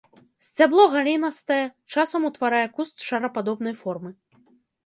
Сцябло галінастае, часам утварае куст шарападобнай формы.